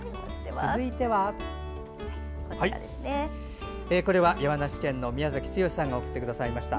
続いては、山梨県の宮崎強さんが送ってくださいました。